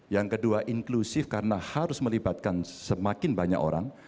yang kedua inklusif karena harus melibatkan semakin banyak orang